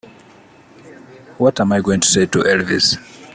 What am I going to say to Elvis?